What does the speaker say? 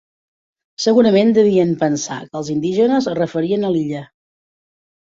Segurament devien pensar que els indígenes es referien a l'illa.